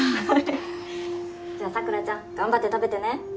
じゃあさくらちゃん。頑張って食べてね。